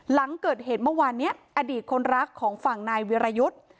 หลังเกิดเหตุเมื่อวานนี้อดีตคนรักของฝั่งนายวิรยุทธ์